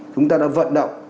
chúng ta đã vận động